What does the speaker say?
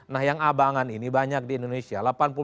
nah yang abangan ini banyak di indonesia